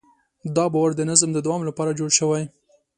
دا باور د نظم د دوام لپاره جوړ شوی.